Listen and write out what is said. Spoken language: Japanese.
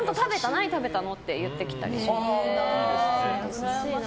何食べた？って言ってきたりします。